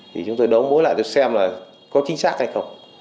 thì chúng tôi đấu mối lại xem là có chính xác hay không